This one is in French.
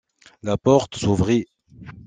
La porte s'ouvrit.